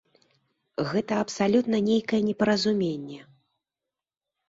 Гэта абсалютна нейкае непаразуменне.